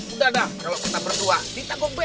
udah dah kalo kita berdua kita gue beres